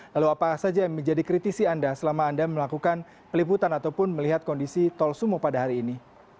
lalu apa saja yang menjadi kritisi anda selama anda melakukan peliputan ataupun melihat kondisi tol sumo pada hari ini